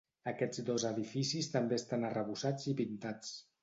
Aquests dos edificis també estan arrebossats i pintats.